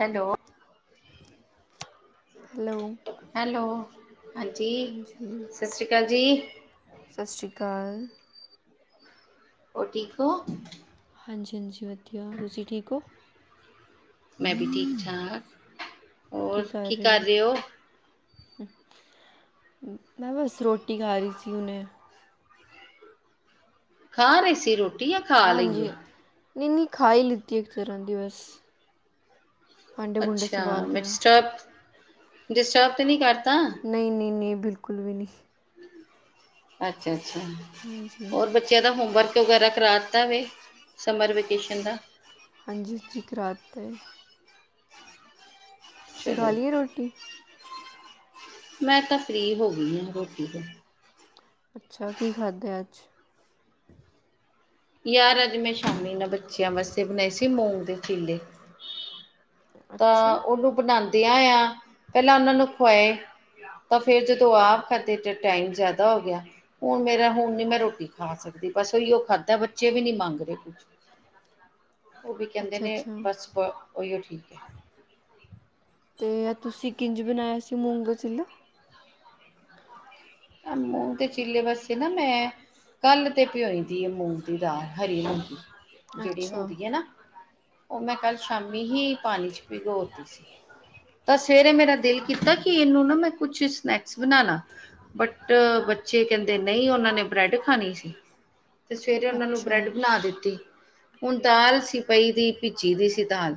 Hello. Hello. Hello. ਹਾਂਜੀ ਹਾਂਜੀ। ਸਤਿ ਸ਼੍ਰੀ ਅਕਾਲ ਜੀ ਸਤਿ ਸ੍ਰੀ ਕਾਲ। ਔਰ ਠੀਕ ਓ? ਹਾਂਜੀ, ਹਾਂਜੀ ਵਧੀਆ। ਤੁਸੀਂ ਠੀਕ ਓ? ਮੈਂ ਵੀ ਠੀਕ ਠਾਕ। ਕੀ ਕਰ ਰਹੇ ਓ? ਮੈਂ ਬਸ ਰੋਟੀ ਖਾ ਰੀ ਸੀ ਹੁਣੇ। ਖਾ ਰਹੀ ਸੀ ਰੋਟੀ ਜਾਂ ਖਾ ਹਾਂਜੀ। ਲਈ ਹੈ ਨਈ -ਨਈ ਖਾਈ ਲਿੱਤੀ ਇੱਕ ਤਰ੍ਹਾਂ ਦੀ ਬਸ। ਭਾਂਡੇ ਭੂੰਡੇ ਅੱਛਾ। ਸੰਭਾਲ ਮੈਂ ਰਹੇ ਹਾਂ ਡਿਸਟਰਬ- ਡਿਸਟਰਬ ਤੇ ਨੀ ਕਰਦਾ? ਨਈ-ਨਈ ਨੀ ਬਿਲਕੁਲ ਵੀ ਨੀ। ਅੱਛਾ- ਅੱਛਾ ਹਾਂਜੀ ਹੋਰ ਬ ਜਿਹੜਾ ਹੋਮਵਰਕ ਵਗੈਰਾ ਕਰਾ ਤਾ ਵੇ ਸਮਰ ਵੈਕੇਸ਼ਨ ਦਾ ਹਾਂਜੀ ਜੀ ਕਰਾ ਤਾ ਵੇ। ਤੁਸੀਂ ਚਲੋ ਖਾਲੀਏ ਰੋਟੀ? ਮੈਂ ਤਾਂ ਫ੍ਰੀ ਹੋਗੀ ਆ ਰੋਟੀ ਤੋਂ। ਅੱਛਾ ਕੀ ਖਾਧਾ ਅੱਜ? ਯਾਰ ਅਜ ਮੈਂ ਸ਼ਾਮੀ ਨਾ ਬੱਚਿਆਂ ਵਸੇ ਬਣਾਏ ਸੀ ਮੋਂਗ ਦੇ ਚੀਲੇ। ਅੱਛਾ ਤਾਂ ਉਨੂੰ ਬਣਾਂਦਿਆ ਆ ਪਹਿਲਾਂ ਉਹਨਾਂ ਨੂੰ ਖਵਾਏ। ਤਾਂ ਫੇਰ ਜਦੋਂ ਆਪ ਖਾਧਦੇ ਤੇ ਟਾਈਮ ਜਿਆਦਾ ਹੋ ਗਿਆ। ਹੁਣ ਮੇਰਾ ਹੁਣ ਨੀ ਮੈਂ ਰੋਟੀ ਖਾ ਸਕਦੀ। ਬਸ ਉਈਓ ਖਾਧਾ ਬੱਚੇ ਵੀ ਨੀ ਮੰਗ ਰੇ ਸੀ। ਉਹ ਵੀ ਕਹਿੰਦੇ ਅੱਛਾ ਨੇ ਅੱਛਾ ਬਸ ਓਇਓ ਠੀਕ ਏ। ਤੇ ਤੁਸੀਂ ਕਿੰਜ ਬਣਾਇਆ ਸੀ ਮੂੰਗ ਦਾ ਚਿੱਲਾ? ਮੂੰਗ ਤੇ ਚਿੱਲੇ ਵਸੇ ਨਾ ਮੈਂ ਕੱਲ ਤੇ ਭਿਓਦੀ ਏ ਮੂੰਗ ਦੀ ਦਾਲ ਹਰੀ ਮੂੰਗੀ। ਜੇੜੀ ਅੱਛਾ ਹੁੰਦੀ ਏ ਨਾ ਉਹ ਮੈਂ ਕੱਲ ਸ਼ਾਮੀ ਹੀ ਪਾਣੀ ਚ ਭਿਗੋਰਤੀ ਸੀ। ਤਾਂ ਸਵੇਰੇ ਮੇਰਾ ਦਿਲ ਕੀਤਾ ਕਿ ਏਨੂੰ ਨਾ ਮੈਂ ਕੁਛ ਸਨੈਕਸ ਬਣਾਲਾ। ਬਟ ਬੱਚੇ ਕਹਿੰਦੇ ਨਈ ਉਹਨਾਂ ਨੇ ਬ੍ਰੈਡ ਖਾਣੀ ਸੀ। ਤੇ ਸਵੇਰੇ ਉਨਾਂ ਨੂੰ ਅੱਛਾ ਬ੍ਰੈਡ ਬਣਾ ਦਿੱਤੀ। ਹੁਣ ਦਾਲ ਸੀ ਪਈ ਦੀ ਭਿੱਜੀ ਦੀ ਸੀ ਦਾਲ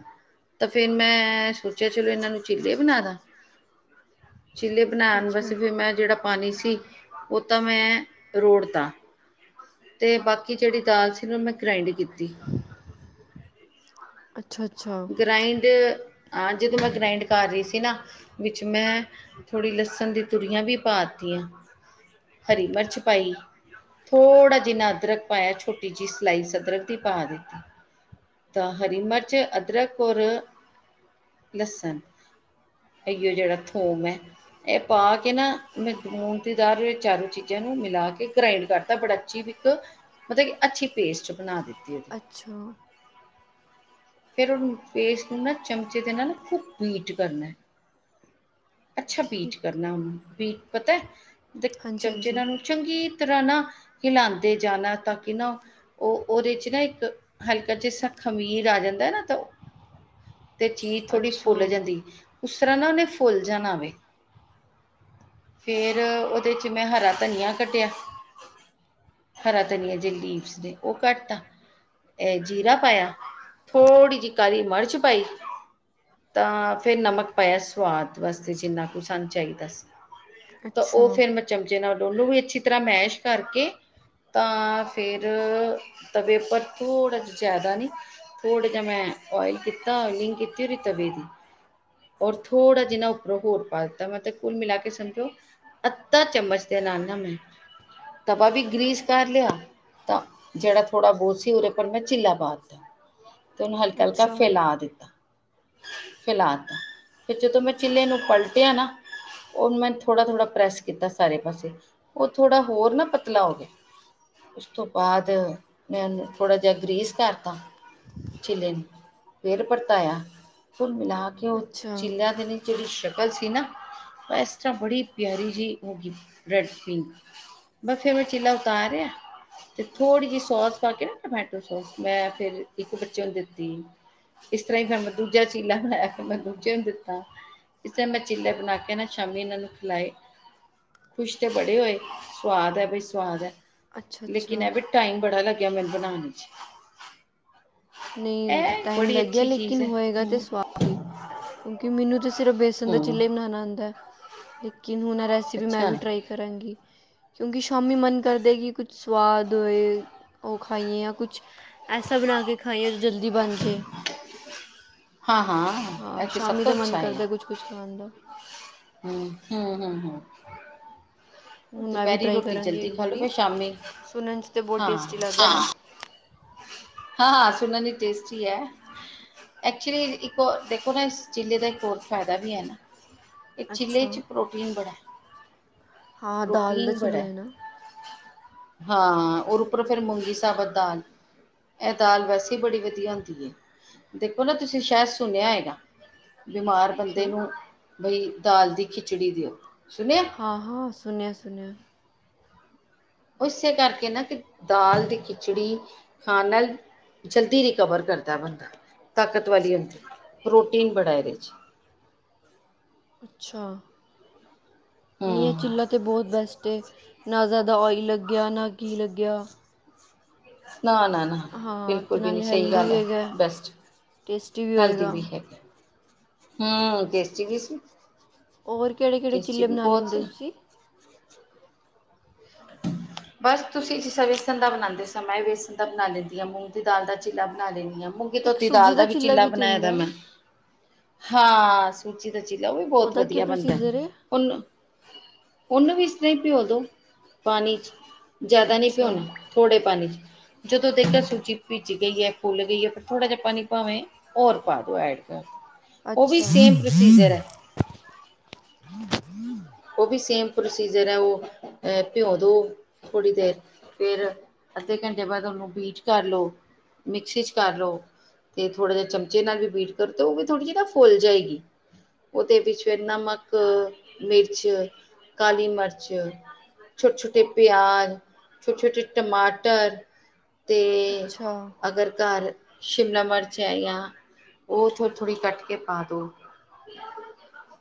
ਤਾਂ ਫੇਰ ਮੈਂ ਸੋਚਿਆ ਚਲੋ ਏਨਾ ਨੂੰ ਚਿੱਲੇ ਬਣਾਦਾ ਚਿੱਲੇ ਬਣਾਣ ਵਸੇ ਅੱਛਾ ਫੇਰ ਮੈਂ ਜੇੜਾ ਪਾਣੀ ਸੀ, ਉਹ ਤਾਂ ਮੈਂ ਰੋੜਤਾ ਤੇ ਬਾਕ ਕਿ ਜੇੜੀ ਦਾਲ ਸੀ ਨਾ ਉਹ ਮੈਂ ਗ੍ਰਾਇੰਡ ਕੀਤੀ। ਅੱਛਾ-ਅੱਛਾ। ਗ੍ਰਇੰਡ ਹਾਂ ਜਦੋਂ ਮੈਂ ਗਰਾਾਇੰਡ ਕਰ ਰੀ ਸੀ ਨਾ ਵਿੱਚ ਮੈਂ ਥੋੜ੍ਹੀ ਲਸਣ ਦੀ ਤੂਰੀਆਂ ਵੀ ਪਾ ਤੀਆਂ ਹਰੀ ਮਿਰਚ ਪਾਈ। ਥੋੜ੍ਹਾ ਜਿਨਾ ਅਦਰਕ ਪਾਇਆ ਛੋਟੀ ਜੀ ਸਲਾਈਸ ਅਦਰਕ ਦੀ ਪਾ ਦਿੱਤੀ। ਤਾਂ ਹਰੀ ਮਿਰਚ, ਅਦਰਕ ਔਰ ਲਸਣ। ਐਇਓ ਜੇੜਾ ਥੋਮ ਐ। [inaudible] ਇੱਕ ਮਤਲਬ ਕਿ ਅੱਛੀ ਪੇਸਟ ਬਣਾ ਦਿੱਤੀ। ਉਹਦੀ ਅੱਛਾ ਫਿਰ ਉਹਨੂੰ ਪੇਸਟ ਨੂੰ ਨਾ ਚਮਚੇ ਦੇ ਨਾਲ ਬੀਟ ਕਰਨਾ ਅੱਛਾ ਬੀਟ ਠੀਕ ਕਰਨਾ ਉਹਨੂੰ ਬੀਟ ਪਤਾ ਹਾਂਜੀ ਚਮਚੇ ਹਾਂਜੀ ਨਾਂ ਨੂੰ ਚੰਗੀ ਤਰ੍ਹਾਂ ਨਾ ਹਿਲਉਂਦੇ ਜਾਣਾ ਤਾਂ ਕਿ ਨਾ ਉਹ ਉਹਦੇ ਚ ਨਾ ਇੱਕ ਹਲਕਾ ਜਸਾ ਖ਼ਮੀਰ ਆ ਜਾਂਦਾ ਨਾ ਤੇ ਚੀਜ਼ ਥੋੜੀ ਅੱਛਾ ਫੁੱਲ ਜਾਂਦੀ ਉਸ ਤਰ੍ਹਾਂ ਨਾ ਉਹਨੇ ਫੁੱਲ ਜਾਣਾਵੇ ਫਿਰ ਉਹਦੇ 'ਚ ਮੈਂ ਹਰਾ ਧਨੀਆਂ ਕੱਟਿਆ ਹਰਾ ਧਨੀਆ ਜੇ ਲੀਵਸ ਦੇ ਉਹ ਘੱਟ ਆ ਇਹ ਜੀਰਾ ਪਾਇਆ ਥੋੜ੍ਹੀ ਜਿਹੀ ਕਾਹਾਲੀ ਮਿਰਚ ਪਾਈ ਤਾਂ ਫਿਰ ਨਮਕ ਪਾਇਆ ਸਵਾਦ ਵਾਸਤੇ ਜਿੰਨਾ ਕੁ ਸਾਨੂੰ ਚਾਹੀਦਾ ਸੀ। ਤਾਂ ਉਹ ਅੱਛਾ ਫੇਰ ਮੈਂ ਚਮਚੇ ਨਾਲ ਡੋਲੂ ਵੀ ਅੱਛੀ ਤਰ੍ਹਾਂ ਮੈਸ਼ ਕਰਕੇ ਤਾਂ ਫੇਰ ਤਵੇ ਪਰ ਥੋੜ੍ਹਾ ਜਿਆਦਾ ਨੀ। ਥੋੜ ਜ ਮੈ ਓਇਲ ਕੀਤਾ ਲਿੰਗ ਕੀਤੀ ਵੀ ਤਵੇ ਦੀ। ਔਰ ਥੋੜ੍ਹਾ ਜਿਨ੍ਹਾਂ ਉੱਪਰੋਂ ਹੋਰ ਪਾ ਤਾ ਮਤਲਵ ਕੁੱਲ ਮਿਲਾ ਕੇ ਸਮਜੋ ਅਦਾ ਚਮਚ ਤੇ ਨਾਲ ਨਾ ਮੈਂ ਤਵਾ ਵੀ ਗ੍ਰੀਸ ਕਰ ਲਿਆ ਤਾਂ ਜਿਹੜਾ ਥੋੜਾ ਬਹੁਤ ਸੀ ਉਹਦੇ ਪਰਰ ਮੈਂ ਚਿੱਲਾ ਪਾ ਦਿੱਤਾ ਤੇ ਉਹਨੂੰ ਹਲਕਾ ਹਲਕਾ ਅੱਛਾ ਫੈਲਾ ਦਿੱਤਾ ਫੈਲਾ ਤਾ ਫਿਰ ਜਦੋਂ ਮੈਂ ਚਿੱਲੇ ਨੂੰ ਪਲਟਿਆ ਨਾ ਉਹ ਮੈਂ ਥੋੜ੍ਹਾ ਥੋੜ੍ਹਾ ਪ੍ਰੈਸ ਕੀਤਾ ਸਾਰੇ ਪਾਸੇ ਉਹ ਥੋੜਾ ਹੋਰ ਨਾ ਪਤਲਾ ਹੋ ਗਿਆ ਉਸ ਤੋਂ ਬਾਅਦ ਮੈਂ ਉਹਨੂੰ ਥੋੜਾ ਜਿਹਾ ਗਰੀਸ ਕਰਤਾ ਚਿੱਲੇ ਨੇ ਫੇਰ ਪਰਤਾਇਆ ਫੁੱਲ ਮਿਲਾ ਕੇ ਉਹ ਅੱਛਾ ਚਿੱਲਿਆਂ ਦੇ ਨੇ ਜਿਹੜੀ ਸ਼ਕਲ ਸੀ ਨਾ ਇਸ ਤਰ੍ਹਾਂ ਬੜੀ ਪਿਆਰੀ ਜਿ ਹੋ ਗ ਰੈਡ ਪਿੰਕ ਬਸ ਫੇਰ ਮੈਂ ਚੀਲਾ ਉਤਾਰਿਆ ਤੇ ਥੋੜ੍ਹੀ ਜਿਹੀ ਸੋਸ ਪਾ ਕੇ ਨਾ ਟਮੈਟੋ ਸੋਸ ਮੈਂ ਫੇਿਰ ਇੱਕ ਬੱਚੇ ਨੂੰ ਦਿੱਤੀ ਇਸ ਤਰ੍ਹਾਂ ਹੀ ਫਿਰ ਮੈਂ ਦੂਜਾ ਚੀਲਾ ਬਣਾਇਆ ਫਿਰ ਮੈਂ ਦੂਜੇ ਨੂੰ ਦਿੱਤਾ ਇਸਰ ਮੈਂ ਚਿੱਲੇ ਬਣਾ ਕੇ ਨਾ ਸ਼ਾਮੀ ਇਹਨਾਂ ਨੂੰ ਖਿਲਾਏ ਖੁਸ਼ ਤੇ ਬੜੇ ਹੋਏ ਸਆਦ ਹੈ ਬਈ ਸਵਾਦ ਹੈ ਅੱਛਾ ਲੇਕਿਨ ਅੱਛਾ ਇਹ ਵੀ ਟਾਈਮ ਬੜਾ ਲੱਗਿਆ ਮੈਨੂੰ ਬਣਾਉਣ ਚ ਨਹੀਂ ਇਹ ਟਾਈਮ ਬੜੀ ਲੱਗਿਆ ਅੱਛੀ ਚੀਜ਼ ਲੇਕਿਨ ਹੈ। ਹੋਏਗਾ ਤੇ ਹੂੰ ਸਵਾਦ ਕਿਉਂਕਿ ਮੈਨੂੰ ਤਾਂ ਸਿਰਫ਼ ਬੇਸਣ ਦਾ ਹੂੰ ਚਿੱਲਾ ਹੀ ਬਣਾਉਣਾ ਆਉਂਦਾ ਹੈ ਲੇਕਿਨ ਹੁਣ ਰਸੀਪ ਮੈਂ ਅੱਛਾ ਵੀ ਟਰਾਈ ਕਰਾਂਗੀ ਕਿਉਂਕਿ ਸ਼ਾਮੀ ਮਨ ਕਰਦਾ ਕਿ ਕੁਛ ਸਵਾਦ ਹੋਏ ਉਹ ਖਾਈਏ ਜਾਂ ਕੁਛ ਐਸਾ ਬਣਾ ਕੇ ਖਾਈਏ ਜੋ ਜਲਦੀ ਬਣ ਜਾੇ ਹਾਂ ਇਹ ਹਾਂ ਸ਼ਾਮੀ ਦਾ ਮਨ ਕਰਦਾ ਕੁਛ ਕੁਛ ਖਾਣ ਦਾ ਹਮ ਹਮ ਹਮ ਹਮ ਹੁਣ ਮੈਂ ਵੀ ਦੁਪਹਿਰੀ ਟਰਾਈ ਰੋਟੀ ਕਰਾਂਗੀ ਜਲਦੀ ਇੱਕ ਖਾ ਲਓ ਵਾਰੀ ਫ ਸ਼ਾਮੀ ਸੁਣਨ 'ਚ ਤਾਂ ਬਹੁਤ ਹਾਂ ਟੇਸਟੀ ਲੱਗਦੀ ਕਰਨਾ ਹੈ ਹਾਂ ਸੁਣਨ ਦੀ ਟੇਸਟੀ ਹੈ ਐਕਚੁਲੀ ਇੱਕ ਦੇਖੋ ਨਾ ਇਸ ਜ਼ਿਲ੍ਹੇ ਦਾ ਇੱਕ ਹੋਰ ਫਾਇਦਾ ਵੀ ਹੈ ਨਾ ਇਹ ਚਿੱਲੇ ਅੱਛਾ ਚ ਪ੍ਰੋਟੀਨ ਬੜਾ ਹੈ ਹਾਂ ਦਾਲ ਦਾ ਪ੍ਰੋਟੀਨ ਬੜਾ ਚਿੱਲਾ ਹੈ ਨਾ ਹਾਂ ਰ ਉੱਪਰ ਫਿਰ ਮੂੰਗੀ ਸਾਬਤ ਦਾਲ ਇਹ ਦਾਲ ਵੈਸੇ ਬੜੀ ਵਧੀਆ ਹੁੰਦੀ ਹੈ ਦੇਖੋ ਨਾ ਤੁਸੀਂ ਸ਼ਾਇਦ ਸੁਣਿਆ ਹੈਗਾ ਬਿਮਾਰ ਬੰਦੇ ਕੀ ਨੂੰ ਬਈ ਦਾਲ ਦੀ ਖਿਚੜੀ ਦਿਓ ਸੁਣਿਆ ਹਾਂ ਹਾਂ ਸੁਣਿਆ ਸੁਣਿਆ ਉਹ ਇਸੇ ਕਰਕੇ ਨਾ ਕਿ ਦਾਲ ਦੀ ਖਿਚੜੀ ਖਾਣ ਜਲਦੀ ਰਿਕਵਰ ਕਰਦਾ ਬੰਦਾ ਤਾਕਤ ਵਾਲੀ ਹੁੰਦੀ ਪ੍ਰੋਟੀਨ ਬੜਾ ਇਹਦੇ ਅੱਛਾ ਨੀ ਹੂੰ ਚਿੱਲਾ ਤੇ ਬਹੁਤ ਬੈਸਟ ਨਾ ਜ਼ਿਆਦਾ ਓਇਲ ਲੱਗਿਆ ਨਾ ਕੀ ਲੱਗਿਆ ਨਾ ਨਾ ਨਾ ਹਾਂ ਬਿਲਕੁਲ ਅਤੇ ਵੀ ਨਹੀਂ ਨਾਲੇ ਸਹੀ ਹੈਲਦੀ ਗੱਲ ਵੀ ਹੈ ਹੈਗਾ ਬੈਸਟ ਟੇਸਟੀ ਹੈਲਦੀ ਹੋਏਗਾ ਵੀ ਹੈਗੀ ਹਮ ਚ ਗ ਸੀ ਹੋਰ ਕਿਹੜੇ ਕਿਹੜੇ ਟੇਸਟੀ ਚਿੱੇ ਵੀ ਬਣਾ ਬਹੁਤ ਲੈਂਦੇ ਸੀ ਤੁਸੀਂ [inaudible] ਬਸ, ਤੁਸੀ ਜਿਸਾ ਵੇਸਣ ਦਾ ਬਣਾਂਦੇ ਸਾਂ, ਮੈਂ ਵੇਸਣ ਦਾ ਬਨਾ ਲੈਨੀ ਹਾਂ, ਮੂੰਗ ਦੀ ਦਾਲ ਦਾ ਚਿਲਾ ਬਨਾ ਲੈਂਦੀ ਹਾਂ। ਤੇ, ਅਤੇ ਇੱਕ ਧੋਤੀ ਸੂਜੀ ਦਾਲ ਦਾ ਵੀ ਚਿੱਲਾ ਚੀਲਾ ਤਾਂ ਬਣਾਏ ਹੁੰਦਾ ਦਾ ਹੈ ਮੈਂ। ਹਾਂ, ਸੂਜੀ ਦਾ ਚੀਲਾ ਉਹ ਵੀ ਬਹੁਤ ਉਹਦਾ ਕੀ ਵਧੀਆ ਬਣਦਾ ਹੈ। ਪ੍ਰੋਸੀਜਰ ਉਹਨ, ਉਹਨੂੰ ਵੀ ਇਸ ਤਰ੍ਹਾਂ ਹੀ ਭਿਉਂ ਦੋ। ਪਾਣੀ ਚ ਜ਼ਿਆਦਾ ਨਹੀਂ ਅੱਛਾ ਭਿਉਣਾ, ਥੋੜ੍ਹੇ ਪਾਣੀ ਚ। ਜਦੋਂ ਦੇਖਆ ਸੂਜੀ ਭਿੱਜ ਗਈ ਹੈ, ਫੁੱਲ ਗਈ ਹੈ, ਫਿਰ ਥੋੜ੍ਹਾ ਜਿਹਾ ਪਾਣੀ ਭਾਵੇਂ। ਹੋਰ ਪਾ ਦੋ, ਐਡ ਕਰ ਦ, ਉਹ ਵੀ ਅੱਛਾ ਸੇਮ ਪ੍ਰੋਸੀਜਰ ਹੈ। ਉਹ ਵੀ ਸੇਮ ਪ੍ਰੋਸੀਜਰ ਹੈ ਉਹ, ਅ। ਭਿਓਉ ਦੋ ਥੋੜ੍ਹੀ ਦੇਰ ਫੇਿਰ ਅੱਧੇ ਘੰਟੇ ਬਾਅਦ ਉਹਨੂੰ ਬੀਚ ਕਰ ਲੋ ਮਿਕਸੀ ਚ ਕਰ ਲੋ ਤੇ, ਥੋੜੇ ਜੇ ਚਮਚੇ ਨਾਲ ਵੀ ਬੀਟ ਕਰਦੋ ਗੇ, ਥੋੜੀ ਜਿ ਨਾ ਫੁੱਲ ਜਾਏਗੀ। ਓਦੇ ਵਿੱਚ ਫੇਰ, ਨਮਕ, ਮਿਰਚ, ਕਾਲੀ ਮਰਚ। ਛੋਟੇ-ਛੋਟੇ ਪਿਆਜ਼, ਛੋਟੇ-ਛੋਟੇ ਟਮਾਟਰ। ਤੇ, ਅੱਛਾ ਅਗਰ ਘਾਰ ਸ਼ਿਮਲਾ ਮਰਚ ਹੈ ਯਾਂ, ਔਹ ਥੋੜ੍ਹੀ ਥੋੜ੍ਹੀ ਕੱਟ ਕੇ ਪਾ ਦੋ।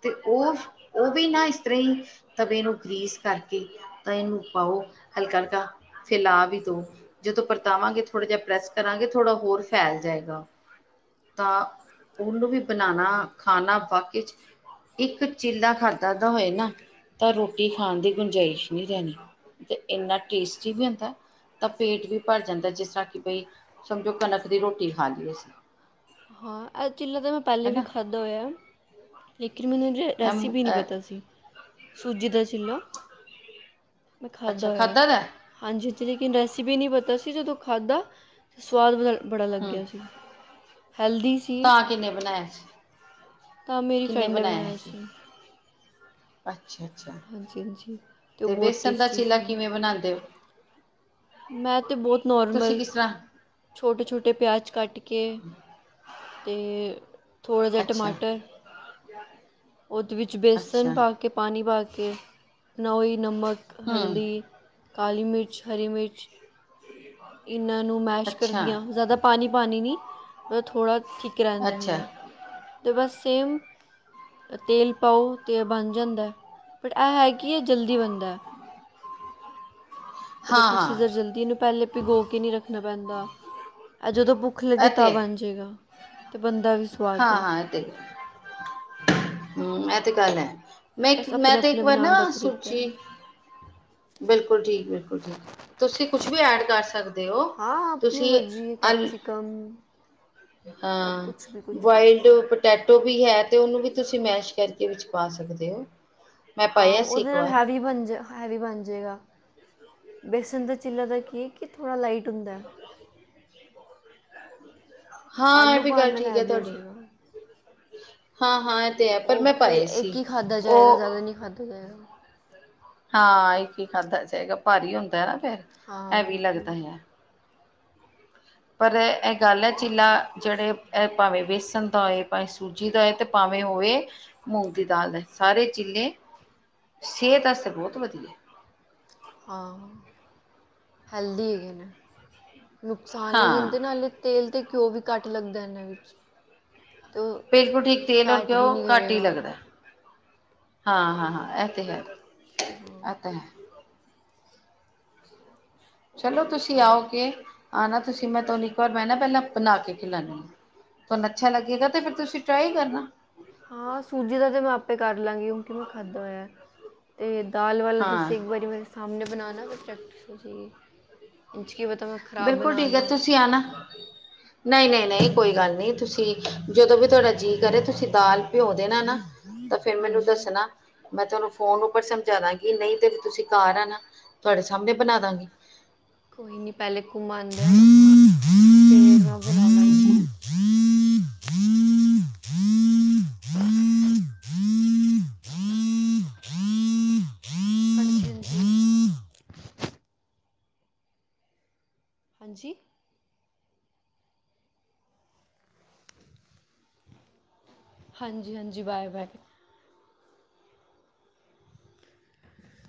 ਤੇ ਉਹ, ਉਹ ਵੀ ਨਾ ਇਸ ਤਰ੍ਹਾਂ ਹੀਂ, ਤਵੇ ਨੂੰ ਗ੍ਰੀਸ ਕਰਕੇ। ਤਾਂ ਇਹਨੂੰ ਪਾਓ, ਹਲਕਾ ਹਲਕਾ ਫੇਰ ਲਾ ਵੀ ਦੋ। ਜਦੋਂ ਪਰਤਾਵਾਂਗੇ, ਥੋੜ੍ਹਾ ਜਿਹਾ ਪ੍ਰੈਸ ਕਰਾਂਗੇ, ਥੋੜ੍ਹਾ ਹੋਰ ਫੈਲ ਜਾਏਗਾ। ਤਾਂ, ਉਹਨੂੰ ਵੀ ਬਨਾਨਾ ਖਾਣਾ ਵਾਕੇਚ। ਇੱਕ ਚਿੱਲਾ ਖਾਧਾ ਤਾ ਹੋਏ ਨਾ, ਤਾਂ ਰੋਟੀ ਖਾਣ ਦੀ ਗੁੰਜਾਇਸ਼ ਨੀ ਰਹਨੀ। ਤੇ ਇੰਨਾ ਟੇਸਟੀ ਵੀ ਹੁੰਦਾ। ਤਾਂ ਪੇਟ ਵੀ ਭਰ ਜਾਂਦਾ ਹੈ ਜਿਸ ਤਰ੍ਹਾਂ ਕਿ ਬਈ, ਸਮਝੋ ਕਣਕ ਦੀ ਰੋਟੀ ਖਾ ਲੀ ਅਸੀ। ਹਾਂ, ਐ ਚਿੱਲਾ ਤਾਂ ਮੈਂ ਪਹਿਲੇ ਵੀ ਖਾਧਾ ਹੋਇਆ ਏ। ਲੇਕਿਨ ਮੀਨੂ ਰੇ ਐਮ ਰੈਸਿਪੀ ਨਹੀਂ ਅ- ਪਤਾ ਸੀ ਸੂਜੀ ਦਾ ਚਿੱਲਾ। ਮੈਂ ਅੱਛਾ ਖਾਧਾ ਹੋਇਆ ਏ। ਦਾ ਹਾਂਜੀ ਜੀ ਲੇਕਿਨ ਰੈਸਪੀ ਨਹੀਂ ਪਤਾ ਸੀ ਜਦੋਂ ਖਾਧਾ, ਸਵਾਦ ਬ ਬੜਾ ਹੂੰ ਲੱਗਿਆ ਸੀ। ਹੈਲਦੀ ਸੀ। ਤਾਂ ਕਿੰਨੇ ਬਨਾਇਆ ਸੀ? ਤਾਂ ਮੇਰੀ ਕਿੰਨੇ ਫਰੈਂਡ ਨੇ ਬਣਾਇਆ ਸੀ। ਅੱਛਾ-ਅੱਛਾ, ਹਾਂਜੀ ਹਾਂਜੀ ਅਤੇ ਉਹ ਤੇ ਬਹੁਤ ਬੇਸਣ ਦਾ ਟੇਸਟੀ ਚਿੱਲਾ ਸੀ ਕਿਵੇਂ ਬਣਾਉਂਦੇ ਹੋ? ਮੈਂ ਤੇ ਬੋਹਤ ਤੁਸੀਂ ਨੋਰਮਲ, ਕਿਸ ਤਰ੍ਹਾਂ ਛੋਟੇ-ਛੋਟੇ ਪਿਆਜ਼ ਕੱਟ। ਕੇਹ, ਤੇ ਅੱਛਾ ਓਦੇ ਵਿੱਚ ਵੇਸਨ ਅੱਛਾ ਪਾ ਕੇ, ਪਾਨੀ ਪਾ ਕੇ, ਨਾ ਓਹਿ ਨਮਕ ਹਮ ਹਲਦੀ। ਕਾਲੀ ਮਿਰਚ, ਹਰੀ ਮਿਰਚ। ਇਹਨਾਂ ਨੂੰ ਮੈਸ਼ ਅੱਛਾ ਕਰਦੀਆਂ ਜ਼ਿਆਦਾ ਪਾਣੀ-ਪਾਣੀ ਨਹੀਂ, ਮਤਬ ਥੋੜ੍ਹਾ। ਠਿਕ ਰਹਿਣ ਦੇਂਦੀ ਅੱਛਾ ਹਾਂ, ਤੇ ਬਸ ਸੇਮ। ਤੇਲ ਪਾਓ ਤੇ ਏ ਬਣ ਜਾਂਦਾ ਏ, ਬਟ ਐ ਹੈ ਕਿ ਇਹ ਜਲਦੀ ਬਣਦਾ ਏ। ਇਹਦਾ ਹਾਂ ਹਾਂ ਪ੍ਰੋਸੀਜਰ ਜਲਦੀ ਇਹਨੂੰ ਪਹਿਲੇ ਭਿਗੋ ਕੇ ਨਹੀਂ ਰੱਖਣਾ ਪੈਂਦਾ, ਇਹ ਜਦੋਂ ਬੁੱਕ। ਭੁੱਖ ਲੱਗੇ ਇਹ ਤੇ ਤਾਂ ਬਣ ਜੇਗਾ, ਤੇ ਬੰਦਾ ਵੀ ਸਵਾਦ ਹੈ ਹਾਂ-ਹਾਂ ਇਹ ਤੇ, ਹਮ ਅਹਿ ਤੇ ਗੱਲ ਹੈ। ਮੈਂ ਇੱਕ, ਬਸ ਮੈਂ ਆਪਣੇ ਤੇ ਇੱਕ ਆਪਣੇ ਵਾਰ ਨਾ ਬਣਾਉਣ ਦਾ ਤਰੀਕਾ ਸੂਚੀ। ਬਿਲਕੁਲ ਠੀਕ-ਬਿਲਕੁਲ ਠੀਕ, ਤੁਸੀਂ ਕੁਛ ਵੀ ਐਡ ਕਰ ਸਕਦੇ। ਦਿਓ, ਹਾਂ ਆਪਣੀ ਤੁਸੀਂ ਮਰਜ਼ੀ ਹੈ ਆਲ ਕੈਪਸੀਕਮ ਹਾਂ, ਕੁਛ ਵੀ ਕੁਛ ਵੀ ਵਾਈ ਤੇ ਔ ਪਟੇਟੋ ਵੀ ਹੈ ਤੇ ਉਹਨੂੰ ਵੀ ਤੁਸੀਂ ਮੈਸ਼ ਕਰਕੇ ਵਿੱਚ ਪਾ ਸਕਦੇ ਹੋ। ਮੈਂ ਹਾਂ ਪਾਇਆ ਸੀ ਓਹਦੇ ਇੱਕ ਨਾਲ ਵਾਰ ਹੈਵੀ ਬੰਜਾ ਐ ਵੀ ਬਨ ਜੇਗਾ ਬੇਸਨ ਦਾ ਚਿੱਲਾ ਦਾ ਕੀ ਕਿ ਥੋੜਾ ਲਾਈਟ ਹੁੰਦਾ। ਹਾਂ ਐਹ ਆਲੂ ਵੀ ਪਾਉਣ ਗੱਲ ਨਾਲ ਠੀਕ ਹੈ ਹੈਵੀ ਹੋ ਤੁਹਾਡੀ ਜਾਏਗਾ। ਹਾਂ ਹਾਂ। ਤੇ ਪਰ ਉਹ ਮੈਂ ਫਿਰ ਪਾਏ ਸੀ ਇੱਕ ਹੀ ਖਾਧਾ ਜਾਏਗਾ ਓਹ ਜ਼ਿਆਦਾ ਨਹੀਂ ਖਾਧਾ ਜਾਏਗਾ। ਹਾਂ ਇੱਕ ਹੀ ਖਾਧਾ ਜੇਗਾ ਭਾਰੀ ਹੁੰਦਾ ਨਾ ਫੇਰ ਹਾਂ ਹੈਵੀ ਲੱਗਦਾ ਬਿਲਕੁਲ। ਯਾਂ। ਪਰ ਇਹ ਗੱਲ ਐ ਚੀਲਾ ਜਿਹੜੇ ਇਹ ਭਾਵੇਂ ਵੇਸਨ ਦਾ ਹੋਏ ਭਾਵੇਂ ਸੂਜੀ ਦਾ ਏ ਤੇ ਭਾਵੇਂ ਹੌਵੇ ਮੂੰਗ ਦੀ ਦਾਲ ਦਾ ਸਾਰੇ ਚੀਲੇ ਸਿਹਤ ਅਸਤੇ ਬਹੁਤ ਵਧੀਆ। ਹਾਂ ਹਲਦੀ ਹੈਗੇ। ਨੁਕਸਾਨ ਨਹੀਂ ਹਾਂ ਦਿੰਦੇ ਨਾਲੇ ਤੇਲ ਤੇ ਘਿਓ ਵੀ ਘੱਟ ਲੱਗਦਾ ਇਹਨਾਂ ਵਿੱਚ। ਤੇ ਬਿਲਕੁਲ ਉਹ ਠੀਕ ਤੇਲ ਔਰ ਫੈਟ ਵੀ ਘਉ ਨਹੀਂ ਘੱਟ ਹੀ ਕਰੇਗਾ। ਲੱਗਦਾ। ਹਾਂ ਹਾਂ ਹਾਂ ਐਹ ਤੇ ਹੈ ਹਾਂ ਐਹ ਤੇ ਹੈ। ਚਲੋ ਤੁਸੀਂ ਅੱਛਾ ਆਓ ਗੇ, ਆਨਾ ਤੁਸੀਂ ਮੈਂ ਤੁਹਾਨੂੰ ਇੱਕ ਵਾਰ ਮੈਂ ਨਾ ਪਹਿਲਾਂ ਬਣਾ ਕੇ ਖਿਲਾਨੀ ਹ। ਤੁਹਾਨੂੰ ਅੱਛਾ ਲੱਗੇਗਾ, ਤੇ ਫਿਰ ਤੁਸੀ ਟਰਾਈ ਕਰਨਾ। ਹਾਂ, ਸੂਜੀ ਦਾ ਤੇ ਮੈਂ ਆਪੇ ਕਰ ਲਾਂਗੀ, ਉਂਕਿ ਮੈਂ ਖਾਧਾ ਹੋਇਆ ਏ। ਏ ਦਾਲ ਵਾਲਾ ਹਾਂ ਤੁਸੀਂ ਇੱਕ ਵਾਰੀ ਮੇਰੇ ਸਾਮਨੇ ਬਨਾਣਾ ਤੇ ਚਟਨੀ ਵਿ [inaudible] ਬਿਲਕੁਲ ਠੀਕ ਹੈ, ਤੁਸੀਂ ਆਣਾ। ਨਹੀਂ ਨਹੀਂ ਨਹੀਂ ਕੋਈ ਗੱਲ ਨਹੀਂ ਤੁਸੀਂ ਜਦੋਂ ਵੀ ਤੁਹਾਡਾ ਜੀਅ ਕਰੇ ਤੁਸੀਂ ਦਾਲ ਪੀਓ ਦੇਨਾ ਨਾ। ਤਾਂ ਫੇਰ ਮੈਨੂੰ ਹਾਂਜੀ ਦੱਸਨਾ। ਮੈਂ ਤੁਹਾਨੂੰ ਫੋਨ ਉੱਪਰ ਸਮਝਾ ਦਾਂਗੀ ਨਹੀਂ ਤੇ ਤੁਸੀਂ ਘਰ ਆਨਾ ਤੁਹਾਡੇ ਸਾਹਮਨੇ ਬਨਾ ਦੰਗੀ। ਕੋਈ ਨੀ ਪਹਿਲੇ ਘੁੰਮਣਦੇ। ਹਮ। ਹਾਂਜੀ ਹਾਂਜੀ? ਹਾਂਜੀ ਹਾਂਜੀ ਬਾਏ ਬਾਏ।